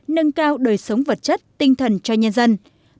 nâng cao đời sống vật chất tinh thần cho nhân dân